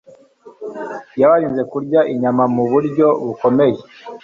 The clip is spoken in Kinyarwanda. yabarinze kurya inyama mu buryo bukomeye